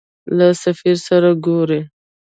له سفیر سره ګورې.